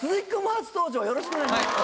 よろしくお願いします。